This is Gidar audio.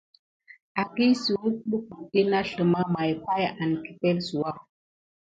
Akisuwək lukuɗɗe na sləma may pay an kəpelsouwa.